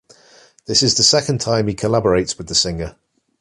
This is the second time he collaborates with the singer.